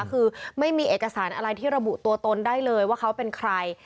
คือไม่มีเอกสารอะไรที่ระบุตัวตนได้เลยว่าเขาเป็นใคร